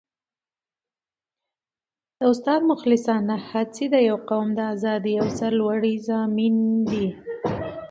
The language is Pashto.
د استاد مخلصانه هڅې د یو قوم د ازادۍ او سرلوړۍ ضامنې دي.